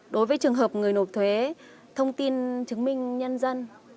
đối với trường hợp người nộp thuế thông tin chứng minh nhân dân